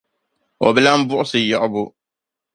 O bi lan buɣisi yiɣibu.